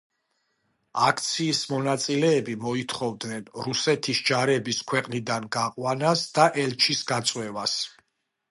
აქციის მონაწილეები მოითხოვდნენ რუსეთის ჯარების ქვეყნიდან გაყვანას და ელჩის გაწვევას.